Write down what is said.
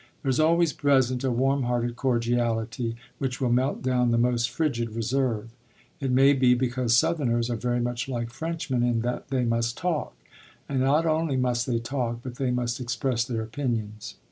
There is always present a warm hearted cordiality which will melt down the most frigid reserve. It may be because Southerners are very much like Frenchmen in that they must talk; and not only must they talk, but they must express their opinions.